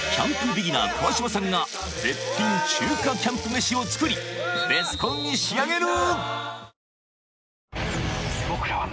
ビギナー川島さんが絶品中華キャンプ飯を作りベスコンに仕上げる！